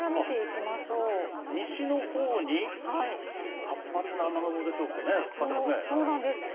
西のほうに、活発な雨雲でしそうなんです。